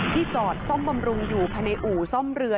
จอดซ่อมบำรุงอยู่ภายในอู่ซ่อมเรือ